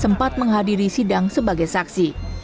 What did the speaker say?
sempat menghadiri sidang sebagai saksi